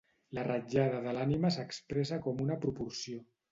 La ratllada de l'ànima s'expressa com una proporció.